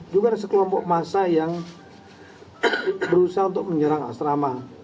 juga ada sekelompok massa yang berusaha untuk menyerang asrama